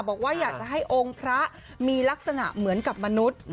บอกว่าอยากจะให้องค์พระมีลักษณะเหมือนกับมนุษย์